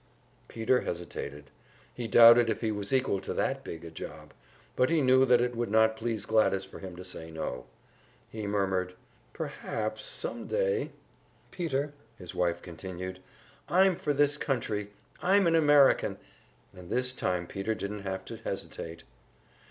Peter hesitated. He doubted if he was equal to that big a job, but he knew that it would not please Gladys for him to say so. He murmured, "Perhaps some day " "Anyhow, Peter," his wife continued, "I'm for this country! I'm an American!" And this time Peter didn't have to hesitate.